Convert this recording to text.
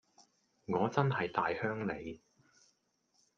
我真係大鄉里